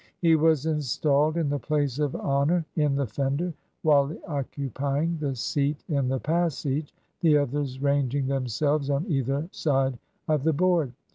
He was installed in the place of honour in the fender, Wally occupying the seat in the passage, the others ranging themselves on either side of the board.